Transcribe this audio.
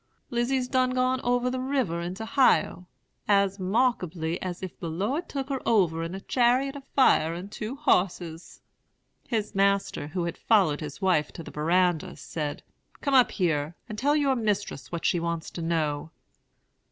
Lizy's done gone over the river into 'Hio; as 'markably as if de Lord took her over in a chariot of fire and two hosses.' "His master, who had followed his wife to the verandah, said, 'Come up here, and tell your mistress what she wants to know.'